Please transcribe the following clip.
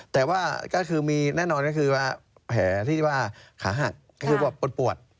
แต่ว่าก็คือมีแน่นอนก็คือว่าแผลที่ว่าขาหักก็คือแบบปวด